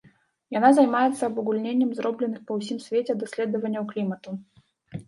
Яна займаецца абагульненнем зробленых па ўсім свеце даследаванняў клімату.